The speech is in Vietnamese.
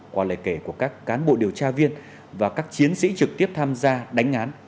qua lời kể của các cán bộ điều tra viên và các chiến sĩ trực tiếp tham gia đánh án